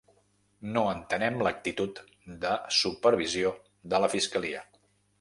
No entenem l’actitud de supervisió de la fiscalia.